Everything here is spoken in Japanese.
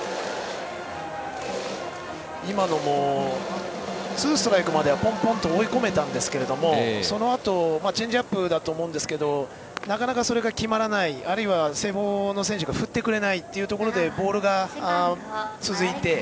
今のもツーストライクまではぽんぽんと追い込めたんですけどそのあとチェンジアップだと思うんですがなかなかそれが決まらないあるいは聖望の選手が振ってくれないというところでボールが続いて。